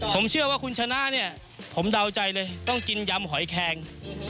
ผมเชื่อว่าคุณชนะเนี่ยผมเดาใจเลยต้องกินยำหอยแคง